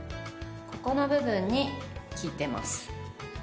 ここの部分に効いてます。